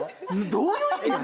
どういう意味なん？